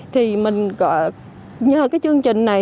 thì mình nhờ cái chương trình này